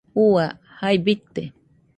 Ua, jai bite